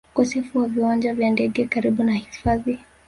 ukosefu wa viwanja vya ndege karibu na hifadhi